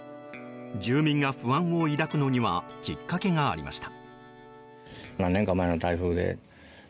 住民が不安を抱くのにはきっかけがありました。